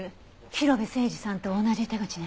広辺誠児さんと同じ手口ね。